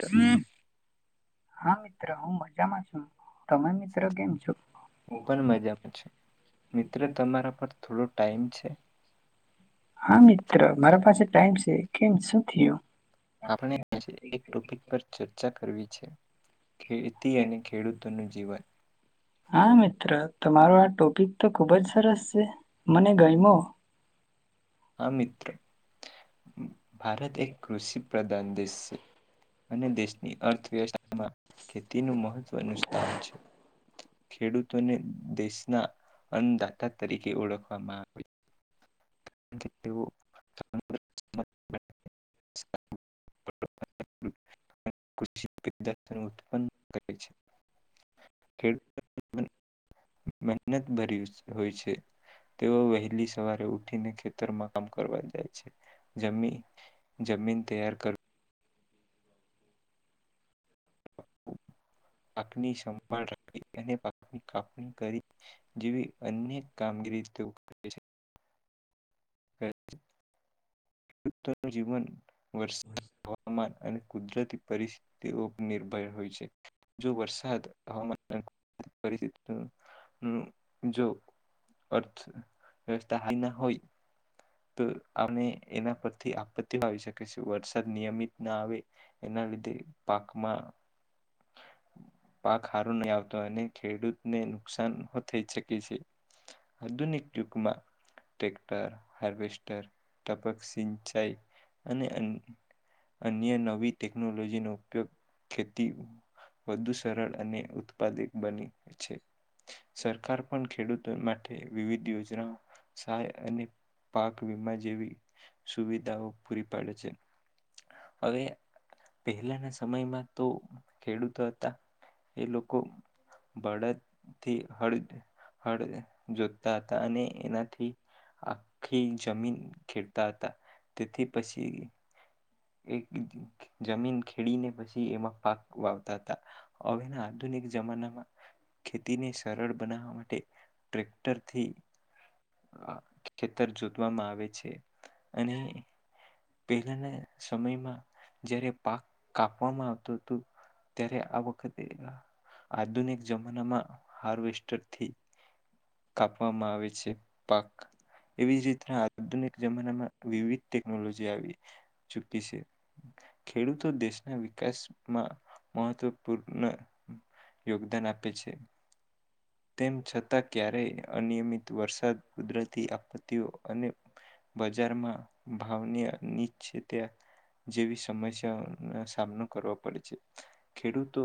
[unintelligible] હા મિત્ર હું મજામાં અચ્છા હું પણ મજામાં છું મિત્ર તમારા પર થોડો ટાઈમ છે આપ ટોપિક પર ચર્ચા કરવી છે ખેતી અને ખેડૂતોનું જીવન હા મિત્ર તમારો આ ટોપિક તો ખુબ જ સરસ છે મને ગયમ હા મિત્ર [inaudible] ભારત એક કૃષિ પ્રધાન દેશ છે. અને દેશ દેશની અર્થવ્યવસ્થામાં ખેતીનું મહત્વનું સ્થાન છે ખેડૂતોને દેશના અન્નદાતા તરીકે ઓળખવામાં આવે તેું [unintelligible] મહેનત ભરી હોય છે, તેઓ વહેલી સવારે ઉઠીને ખેતરમાં કામ કરવા જાય છે, જમી જમીન તૈયાર કર પાકની સંભાળ રાખી અને પાકની કાપણી કરી જેવી અનેક કામગીરી તેઓ કરે છે. જીવન વર્સા હવામાન અને કુદરતી પરિસ્થિતિઓ નિર્ભર હોય છે, જો વરસાદ હવામાન પરિસ્િતિ જો અર્થ વ્યવસ્થા ના હોય તો અમે એના પરથી આપત્તિઓ આવી શકે છે, વરસાદ નિયમિત ના આવે એના લીધે પાકમાં પાક હારો નહીં આવતો અને ખેડૂતને નુકસાન થઈ શકે છે, આધુનિક યુગમાં ટ્રેક્ટર હારવેસ્ટર ટક સિંચાઈ અને અન્ય નવી ટેકનોલોજીનો ઉપયોગ ખેતી વધુ સરળ અને ઉત્પાદિત બની છે, સરકાર પણ ખેડૂતો માટે વિવિધ યોજનાઓ સહાય અને પાક વીમા જેવી સુવિધાઓ પૂરી પાડે છે, હવે પહેલાના સમયમાં તો ખેડૂતો હતા એ લોકો બળદથી હળ હળ જોતા હતા અને એનાથી ખી જમીન ખેડતા હતા તેથી પછી જમીન ખેડીને પછી એમાં પાક વાવતા હતા હવેના આધુનિક જમાનામાં ખેતીને સરળ બનાવા માટે ટ્રેક્ટરથી ખેતર જોતવામાં આવે છે, અને પહેલાના સમયમાં જારે પાક કાપવામાં આવતોું હતોું ત્યારે આ વખતે આધુનિક જમાનામાં હાર્વેસ્ટરથી કાપવામાં આવે છે, પાક એવી જ રીતના આધુનિક જમાનામાં વિવિધ ટેકનોલોજી આવી ચૂકી છે, ખેડૂતો દેશના વિકાસમાં મહત્વપૂર્ણ યોગદાન આપે છે. તેમ છતાં ક્યારેય અનિયમિત વરસાદ કુદરતી આપત્તિઓ અને બજારમાં ભાવની નિ્છ ત્યા જેવી સમસ્યાઓનો સામનો કરવો પડે છે, ખેડૂતો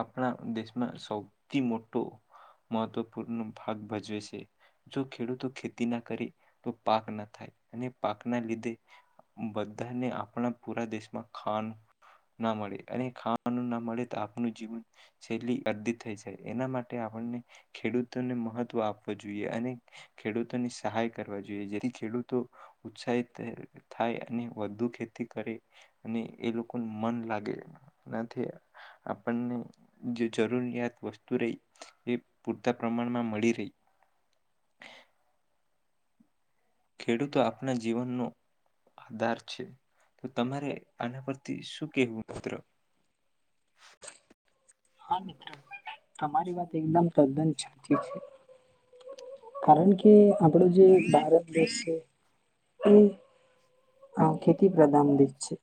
આપણા દેશમાં સૌ મોટો મહત્વપૂર્ણ ભાગ ભજવે છે જો ખેડૂતો ખેતી ના કરે તો પાક ના થાય અને પાક ના લીધે બધાને આપણા પૂરા દેશમાં ખાવાનું ના મળે અને ખાવાનું ના મળે તો આપનું જીવન શૈલી અ જાય એના માટે આપને ખેડૂતોને મહત્વ આપવ જોઈએ અને ખેડૂતોની સહાય કરવા જોઈએ જેથી ખેડૂતો ઉત્સાહિત થાય અને વધુ ખેતી કરે અને એ લોકોનું મન લાગેનાથી આપણને જે જરૂરિયાત વસ્તુ રહી એ પૂરતા પ્રમાણમાં મળી રહી ખેડૂતો આપના જીવનનો આધાર છે. તો તમારે આના પરથી શું કેવું મિત્ર [inaudible] હા મિત્ર તમારી વાત એકદમ તદ્દન સાચી છે. કારણ કે આપણો જે ભારત દેશ છે, એ હ ખેતી પ્ર દામ દી છે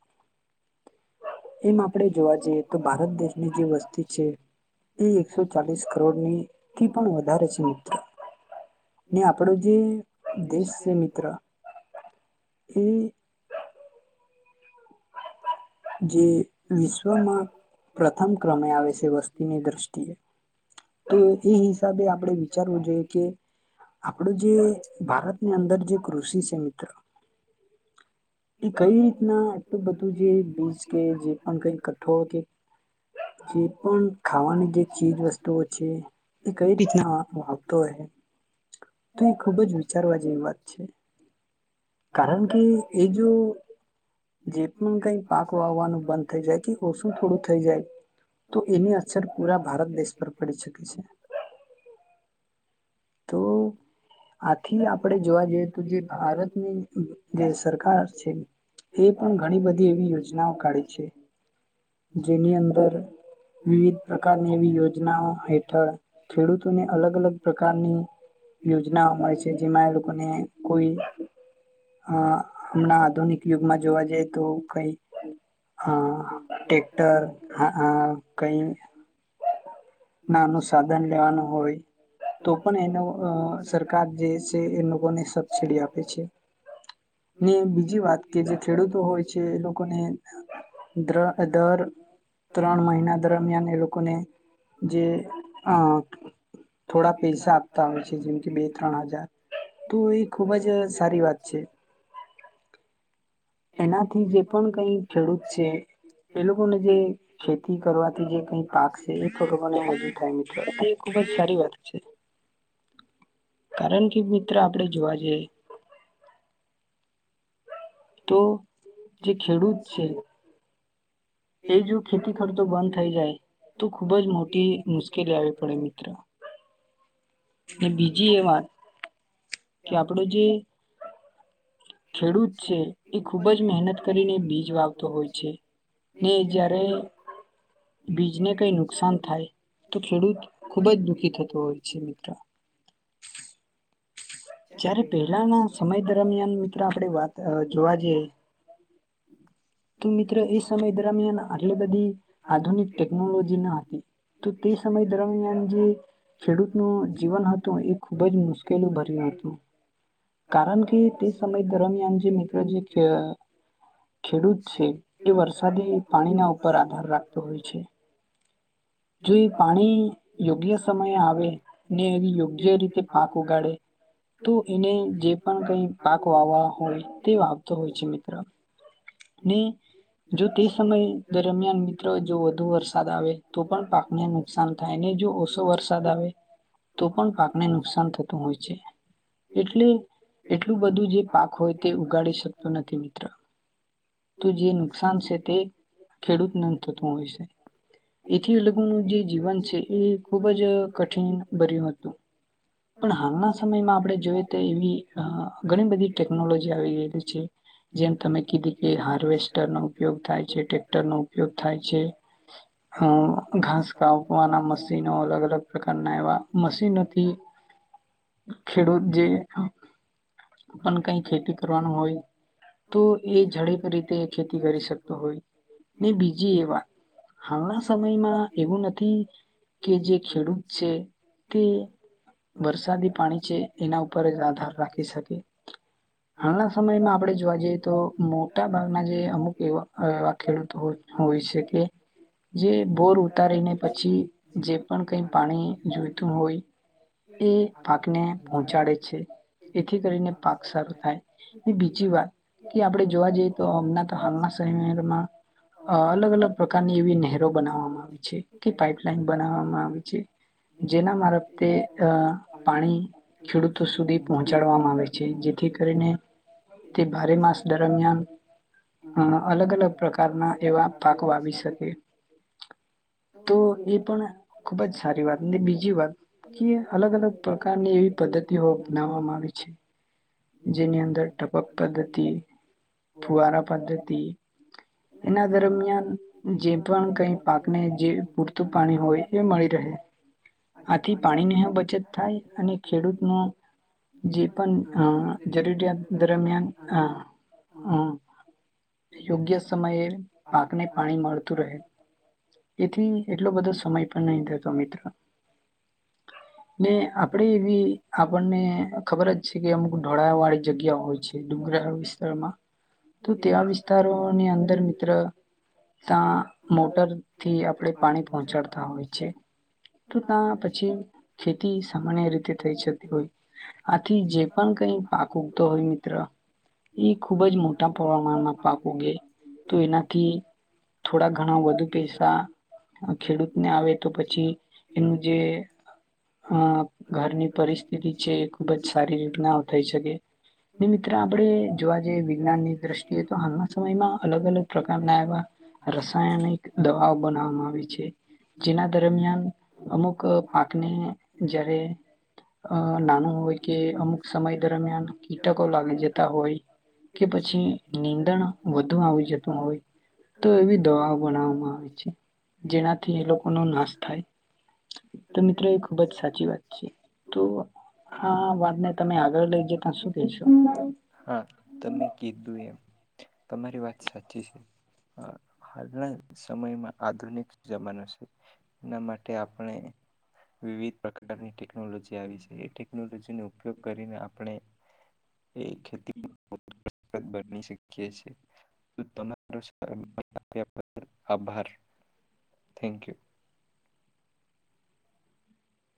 એમ આપણે જોવા જઈએ તો ભારત દેશની જે વસ્તી છે, એ એકસો ચાલીસ કરોડની થી પણ વધારે છે, મિત્ર ને આપણો જે દેશ છે, મિત્ર એ જે વિશ્વમાં પ્રથમ ક્રમે આવે છે, વસ્તીની દ્રષ્ટિએ તો એ હિસાબે આપણે વિચારવું જોઈએ કે આપણું જે ભારતની અંદર જે કૃષિ છે મિત્ર એ કઈ રીતના આટલું બધું જે બીજ કે જે પણ કઈ કઠોળ કે જે પણ ખાવાની જે ચીજ વસ્તુઓ છે, એ કઈ રીતના વાવતો હો તો એ ખૂબ જ વિચારવા જેવી વાત છે, કારણ કે જો જે પણ કઈ પાક વાવવાનું બંધ થઈ જાય કે ઓછું થોડું થઈ જાય તો એની અસર પૂરા ભારત દેશ પર પડી શકે છે. તો આથી આપણેે જોવા જઈએ તો જે ભારતની જે સરકાર છે, એ પણ ઘણી બધી એવી યોજનાઓ કાઢે છે. જેની અંદર વિવિધ પ્રકારની એવી યોજનાઓ હેઠળ ખેડૂતોને અલગ અલગ પ્રકાર પ્રકારની યોજનાઓ મળે છે, જેમાં એ લોકોને કોઈ અ હમણાં આધુનિક યુગમાં જોવા જઈએ તો કઈ અ ટટેક્ટર નાનું સાધન લેવાનું હોય તો પણ એનો સરકાર જે છે, એ લોકોને સબસીડી આપે છે, ને બીજી વાત કે જે ખેડૂતો હોય છે, એ લોકોને દર ત્રણ મહિના દરમિયાન એ લોકોને જે અ થોડા પૈસા આપતા હોય છે જેમ કે બે ત્રણ હજાર તો એ ખૂબ જ સારી વાત છે. એનાથી જે પણ કઈ ખેડૂત છે એ લોકોને જે ખેતી કરવાથી જે કઈ પાક છે એને મજૂ થાય મિત્રો ખૂબ જ સારી વાત છે. કારણ કે મિત્ર આપડે જોવા જઈ તો જે ખેડૂત છે. એ જો ખેતી ખતો બંધ થઈ જાય તો ખુબ જ મોટી મુશ્કેલી આવી પડે મિત્ર બીજી એ વાત કે આપડો જે ખેડૂત છે. એ ખૂબ જ મહેનત કરીને બીજ વાવતો હોય છે. ને જારે બીજને કઈ નુકસાન થાય તો ખેડૂત ખુબ જ દુઃખી થતો હોય છે મિત્ર જયારે પહેલાના સમય દરમિયાન મિત્રો આપણે વાત જોવા જઈએ તો મિત્ર એ સમય દરમિયાન આટલી બધી આધુનિક ટેકનોલોજી ન હતી તો તે સમય દરમિયાન જે ખેડૂતનું જીવન હતું એ ખુબ જ મુશ્કેલ ભર્યું હતું. કારણ કે તે સમય દરમિયાન જે મિત્રો જે ખેડૂત એ વરસાદી પાણીના ઉપર આધાર રાખતો હોય છે. જોઈ પાણી યોગ્ય સમયે આવે ને એ યોગ્ય રીતે પાક ઉગાડે તો એને જે પણ કઈ પાક વાવવા હોય તે વાવતો હોય છે મિત્ર ને જો તે સમય દરમિયાન મિત્ર જો વધુ વરસાદ આવે તો પણ પાકને નુકસાન થાય અનેને જો ઓછો વરસાદ આવે તો પણ પાકને નુકસાન થતું હોય છે. એટલે એટલું બધું જે પાક હોય તે ઉગાડી શકતું નથી મિત્ર તો જે નુકસાન છે તે ખેડૂત ન થતું હોય છે. એથી લોકોનું જે જીવન છે એ ખુબ જ કઠિન ભર્યું હતું પણ હાલના સમયમાં આપણે જોઈએ તો એવી ઘણી બધી ટેકનોલોજી આવી ગયલી છે જેમ તમે કીધી કે હાર્વેસ્ટર નો ઉપયોગ થાય છે ટ્રેક્ટર નો ઉપયોગ થાય છે અ ઘાસ કાપવાના મશીનો અલગ અલગ પ્રકારના એવા મશીનોથી ખેડૂત જે પણ કઈ ખેતી કરવાનું હોય તો એ ઝડપ રીતે ખેતી કરી શકતો હોય ને બીજી એ વાત હાલના સમયમાં એવું નથી કે જે ખેડૂત છે તે વરસાદી પાણી છે એના ઉપર જ આધાર રાખી શકી હાલના સમયમાં આપણે જોવા જઈએ તો મોટા ભાગના જે અમુક એવા એવા ખેડૂતો હોય છે કે જે બોર ઉતારીને પછી જે પણ કઈ પાણી જોઈતું હોય એ પાકને પહોંચાડે છે એથી કરીને પાક સારું થાય બીજી વાત કે આપણે જોવા જઈએ તો હમના તો હાલના સમયમાં અલગ અલગ પ્રકારની એવી નહી બનાવામાં આવે છે કે પાપલાઈન બનાવામાં આવે છે જેના મારફતે પાણી ખેડૂતો સુધી પહોંચાડવામાં આવે છે જેથી કરીને તે ભારે માસ દરમિયાન અ અલગ અલગ પ્રકારના એવા પાકો આવી શકે તો એ પણ ખુબ જ સારી વાત અને બીજી વાત કે અલગ અલગ પ્રકારની એવી પદ્ધતિઓ અપનાવવામાં આવી છે જેની અંદર ટપક પદ્ધતિ ફુવારા પદ્ધતિ એના દરમિયાન જે પણ કઈ પાકને જે પૂરતું પાણી હોય એ મળી રહે આથી પાણીની બચત થાય અને ખેડૂત ન જે પણ જરૂરિયાત દરમિયાન યોગ્ય સમયે પાકને પાણી મળત એથી એટલો બધો સમય પણ નહી થતો મિત્ર ને આપણેે એવી આપણને ખબર જ છે કે અમુક ઢોળા વાળી જગ્યા હોય છે ડુંગરાળ વિસ્તારમાં તો તેવા વિસ્તારોની અંદર મિત્ર ત્યાં મોટર થી આપણે પાણી પહોંચાડતા હોય છે તો ત્યાં પછી ખેતી સામાન્ય રીતે થઈ જતી હોય આથી જે પણ કઈ પાક ઉગતો હોય મિત્ર એ ખૂબ જ મોટા પ્રમાણમાં પાક ઉગે તો એનાથી થોડા ઘણા વધુ પૈસા ખેડૂતને આવે તો પછી એનું જે અ ઘરની પરિસ્થિતિ છે એ ખૂબ જ સારી રીતના થઈ શકે મિત્ર આપણે જોવા જઈએ વિજ્ઞાનની દ્રષ્ટિએ તો હાલના સમયમાં અલગ અલગ પ્રકારના એવા રસાયણિક દવાઓ બનાવામાં આવી છે જેના દરમિયાન અમુક પાકને જયારે નાનું હોય કે અમુક સમય દરમિયાન કીટકો લાગી જતા હોય કે પછી નીંદણ વધુ આવી જતું હોય તો એવી દવાઓ બનાવવામાં આવે છે જેનાથી એ લોકો નો નાશ થાય તો મિત્રો એ ખુબ જ સાચી વાત છે તો આ વાતને તમે આગળ લઈ જતા શું કહેશો તમારી વાત સાચી છે હાલના સમયમાં આધુનિક જમાનો છે એના માટે આપણે વિવિધ પ્રકારની ટેકનોલોજી આવી છે એ ટેકનોલોજીનો ઉપયોગ કરીને આપણે એ ખેતી શક્યે છે આભાર થન્ક યુ